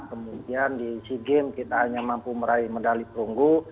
kemudian di sea games kita hanya mampu meraih medali perunggu